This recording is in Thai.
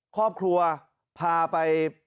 ครอบครัวพาไป